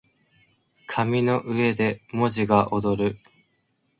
紙の上で文字が躍る